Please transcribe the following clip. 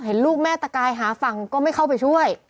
เห็นลูกแม่ตะกายหาฝั่งก็ไม่เข้าไปช่วย